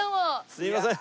すいません。